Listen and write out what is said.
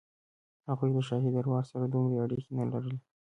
هغوی له شاهي دربار سره دومره اړیکې نه لرلې.